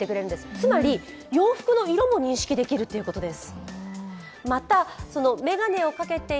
つまり洋服の色も認識できるということです。